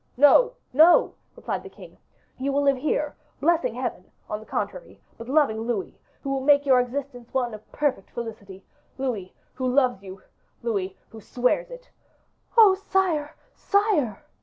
"No, no," replied the king, "you will live here blessing Heaven, on the contrary, but loving Louis, who will make your existence one of perfect felicity Louis who loves you Louis who swears it." "Oh! sire, sire!"